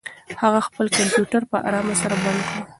هغه خپل کمپیوټر په ارامه سره بند کړ.